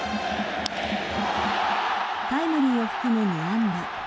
タイムリーを含む２安打。